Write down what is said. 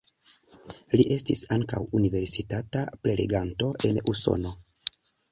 Li estis ankaŭ universitata preleganto en Usono.